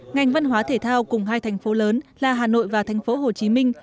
ngành văn hóa thể thao cùng hai thành phố lớn là hà nội và thành phố hồ chí minh